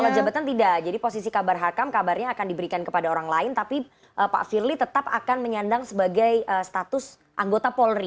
kalau jabatan tidak jadi posisi kabar hakam kabarnya akan diberikan kepada orang lain tapi pak firly tetap akan menyandang sebagai status anggota polri